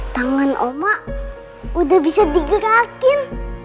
tangan oma udah bisa digerakin